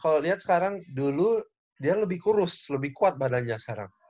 kalau lihat sekarang dulu dia lebih kurus lebih kuat badannya sekarang